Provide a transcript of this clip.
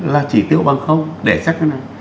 là chỉ tiêu bằng để xét cái này